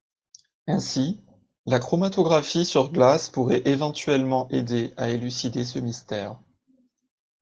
Ainsi, la chromatographie sur glace pourrait éventuellement aider à élucider ce mystère.